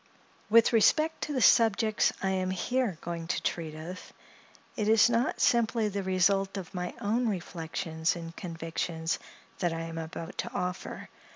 With respect to the subjects I am here going to treat of, it is not simply the result of my own reflections and convictions that I am about to offer.